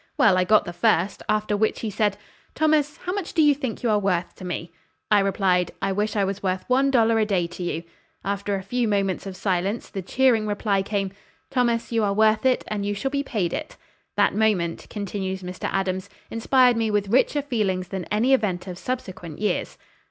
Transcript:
Well, I got the first, after which he said: 'Thomas, how much do you think you are worth to me?' I replied, 'I wish I was worth one dollar a day to you.' After a few moments of silence the cheering reply came, 'Thomas, you are worth it, and you shall be paid it.' That moment," continues Mr. Adams, "inspired me with richer feelings than any event of subsequent years."